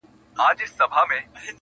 ګلان راوړه سپرلیه د مودو مودو راهیسي-